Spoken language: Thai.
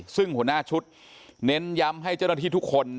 ซึ่งหัวหน้าชุดเน้นย้ำให้เจ้าหน้าที่ทุกคน